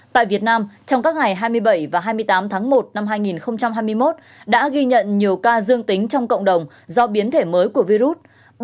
tại việt nam trong các ngày hai mươi bảy và hai mươi tám tháng một năm hai nghìn hai mươi một đã ghi nhận nhiều ca dương tính trong cộng đồng do biến thể mới của virus